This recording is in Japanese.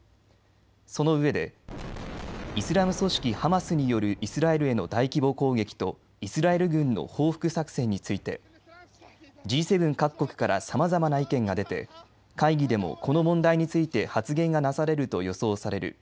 そのうえでイスラム組織ハマスによるイスラエルへの大規模攻撃とイスラエル軍の報復作戦についてＧ７各国からさまざまな意見が出て会議でもこの問題について発言がなされると予想される。